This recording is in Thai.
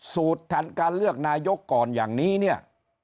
สูตรการเลือกนายกก่อนอย่างนี้เนี่ย